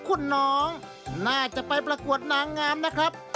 คุณน้องน่าจะไปประกวดนางงามนะครับ